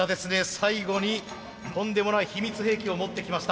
最後にとんでもない秘密兵器を持ってきました。